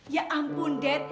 ya ampun dad